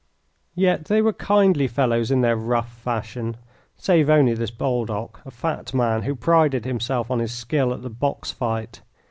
Yet they were kindly fellows in their rough fashion, save only this Baldock, a fat man, who prided himself on his skill at the box fight.